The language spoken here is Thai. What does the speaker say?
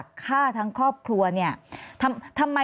คุณประทีบขอแสดงความเสียใจด้วยนะคะ